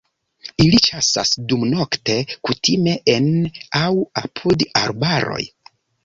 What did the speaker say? Ili ĉasas dumnokte, kutime en aŭ apud arbaroj.